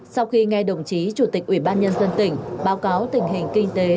sau khi nghe đồng chí chủ tịch ủy ban nhân dân tỉnh báo cáo tình hình kinh tế